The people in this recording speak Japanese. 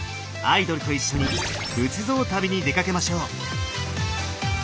アイドルと一緒に仏像旅に出かけましょう。